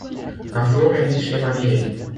La flore est riche et variée.